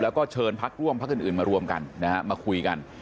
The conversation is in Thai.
แล้วก็เชิญพักร่วมพักอื่นมารวมกันนะฮะมาคุยกัน